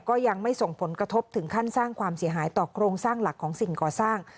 ก็ยังไม่ส่งผลกระทบถึงขั้นสร้างความเสียหายต่อโครงสร้างหลักของสิ่งก่อสร้าง